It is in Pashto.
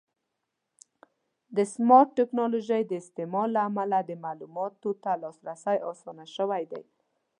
د سمارټ ټکنالوژۍ د استعمال له امله د معلوماتو ته لاسرسی اسانه شوی دی.